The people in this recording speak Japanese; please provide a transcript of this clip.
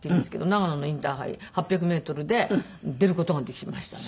長野のインターハイ８００メートルで出る事ができましたね。